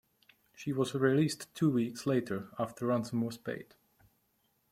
She was released two weeks later after ransom was paid.